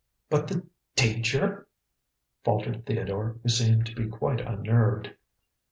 "But the danger?" faltered Theodore, who seemed to be quite unnerved.